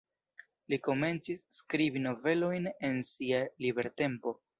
Li komencis skribi novelojn en sia libertempo.